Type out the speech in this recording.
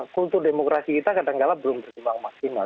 kultur demokrasi kita kadangkala belum berkembang maksimal